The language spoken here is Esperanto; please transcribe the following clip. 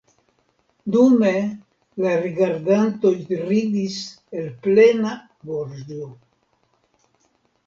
Dume la rigardantoj ridis el plena gorĝo.